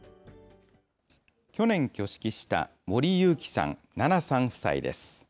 去年挙式した、森雄基さん、奈々さん夫妻です。